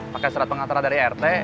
pake surat pengantara dari rt